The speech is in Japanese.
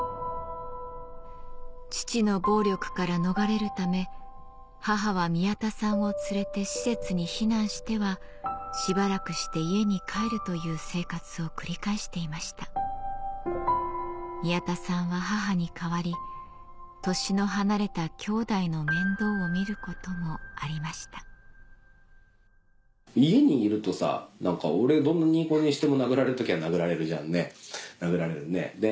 父の暴力から逃れるため母は宮田さんを連れて施設に避難してはしばらくして家に帰るという生活を繰り返していました宮田さんは母に代わり年の離れたきょうだいの面倒を見ることもありました家にいるとさ何か俺どんなにいい子にしても殴られる時は殴られるじゃんね殴られるんで。